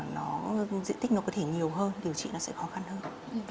diện tích có thể nhiều hơn điều trị sẽ khó khăn hơn